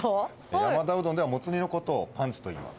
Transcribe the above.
山田うどんでは、もつ煮のことをパンチといいます。